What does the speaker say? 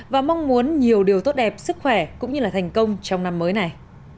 và mong muốn nhiều điều tốt đẹp sức khỏe cũng như là thành công trong năm mới này